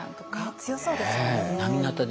強そうですよね。